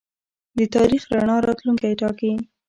د تاریخ رڼا راتلونکی ټاکي.